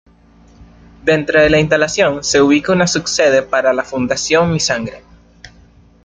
Dentro de la instalación se ubica una sub-sede para la Fundación Mi Sangre.